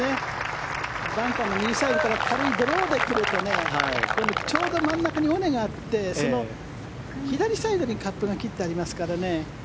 バンカーの右サイドから軽いドローで来るとちょうど真ん中に尾根があって左サイドにカップが切ってありますからね。